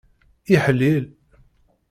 Iḥlil.